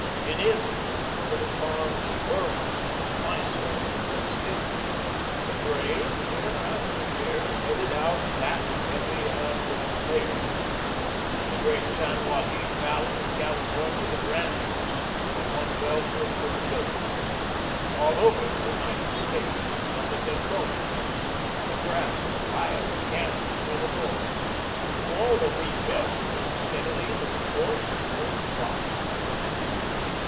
In India, on the little farms of Burmah, of Mysore, and of Sind the grain, year after year, headed out fat, heavy, and well favoured. In the great San Joaquin valley of California the ranches were one welter of fertility. All over the United States, from the Dakotas, from Nebraska, Iowa, Kansas, and Illinois, from all the wheat belt came steadily the reports of good crops.